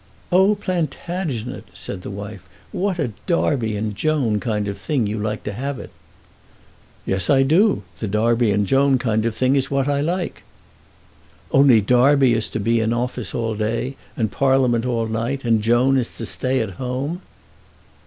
"Oh, Plantagenet," said the wife, "what a Darby and Joan kind of thing you like to have it!" "Yes, I do. The Darby and Joan kind of thing is what I like." "Only Darby is to be in an office all day, and in Parliament all night, and Joan is to stay at home."